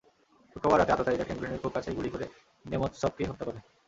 শুক্রবার রাতে আততায়ীরা ক্রেমলিনের খুব কাছেই গুলি করে নেমৎসভকে হত্যা করে।